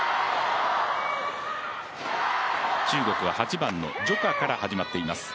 中国は８番の徐佳から始まっています。